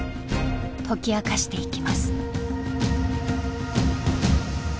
解き明かしていきます。